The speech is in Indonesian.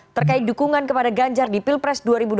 terkait dukungan kepada ganjar di pilpres dua ribu dua puluh